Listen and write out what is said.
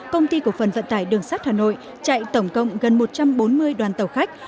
công ty cổ phần vận tải đường sắt hà nội chạy tổng cộng gần một trăm bốn mươi đoàn tàu khách